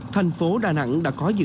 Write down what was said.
thành phố đà nẵng đã có dự án mở rộng